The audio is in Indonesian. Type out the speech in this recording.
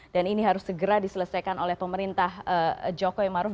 dan ini harus segera diselesaikan oleh pemerintah jokowi maruf